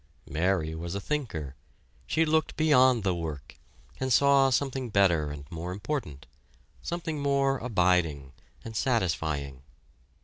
Mary was a thinker. She looked beyond the work, and saw something better and more important, something more abiding and satisfying.